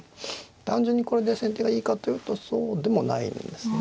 単純にこれで先手がいいかっていうとそうでもないんですね。